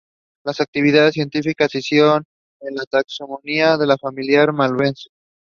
In the Circuit Court he sentenced George Redmond following findings by the Flood Tribunal.